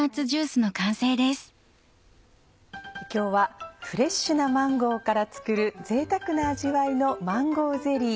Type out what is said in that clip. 今日はフレッシュなマンゴーから作る贅沢な味わいの「マンゴーゼリー」。